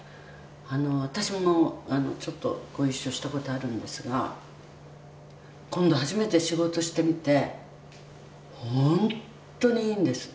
「私もちょっとご一緒した事あるんですが今度初めて仕事をしてみて本当にいいんです」